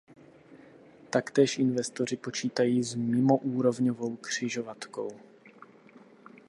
Taktéž investoři počítají s mimoúrovňovou křižovatkou.